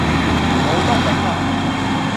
冇得頂呀!